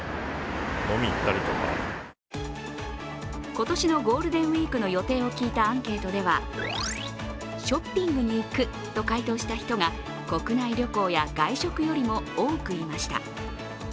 今年のゴールデンウイークの予定を聞いたアンケートでは、ショッピングに行くと回答した人が国内旅行や外食よりも多くいました。